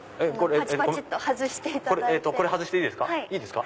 これ外していいですか。